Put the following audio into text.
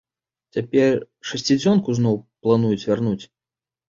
Цяпер шасцідзёнку зноў плануюць вярнуць.